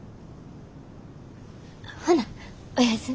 ほなおやすみ。